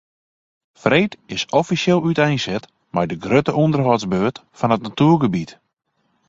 Freed is offisjeel úteinset mei de grutte ûnderhâldsbeurt fan it natuergebiet.